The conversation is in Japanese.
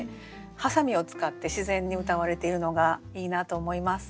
「ハサミ」を使って自然にうたわれているのがいいなと思います。